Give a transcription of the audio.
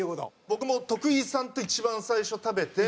僕も徳井さんと一番最初食べて。